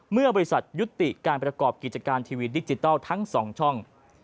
เมื่อบริษัทยุติการประกอบกิจการทีวีดิจิทัลทั้ง๒ช่อง